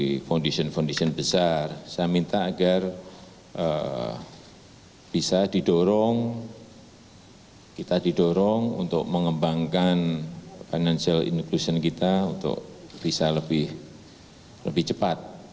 di foundation foundation besar saya minta agar bisa didorong kita didorong untuk mengembangkan financial inclusion kita untuk bisa lebih cepat